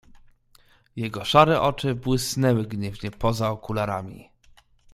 "Jego szare oczy błysnęły gniewnie poza okularami."